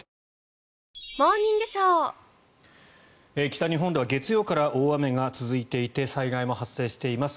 北日本では月曜から大雨が続いていて災害も発生しています。